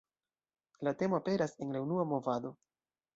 La temo aperas en la unua movado.